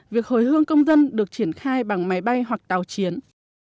việc hồi hương công dân được triển khai bằng máy bay hoặc tàu chiến